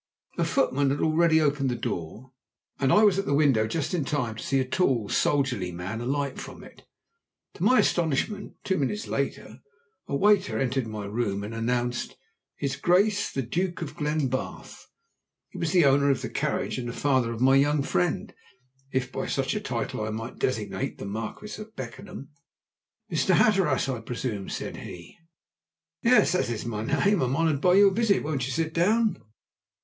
A footman had already opened the door, and I was at the window just in time to see a tall, soldierly man alight from it. To my astonishment, two minutes later a waiter entered my room and announced "His Grace the Duke of Glenbarth." It was the owner of the carriage and the father of my young friend, if by such a title I might designate the Marquis of Beckenham. "Mr. Hatteras, I presume?" said he. "Yes, that is my name. I am honoured by your visit. Won't you sit down?"